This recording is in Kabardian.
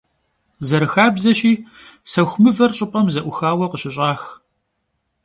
Zerıxabzeşi, sexu mıver ş'ıp'em ze'uxaue khışış'ax.